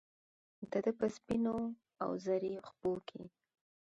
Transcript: دده په سپینواوزري څڼوکې